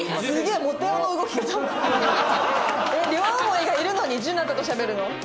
えっ両思いがいるのにじゅなたとしゃべるの？